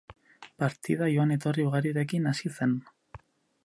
Partida joan etorri ugarirekin hasi zen.